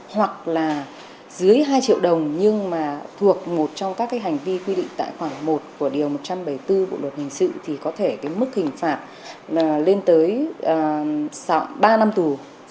hoặc là dưới hai triệu đồng nhưng mà thuộc một trong các cái hành vi quy định tại khoản một của điều một trăm bảy mươi bốn bộ luật hình sự thì có thể cái mức hình phạt lên tới ba năm tù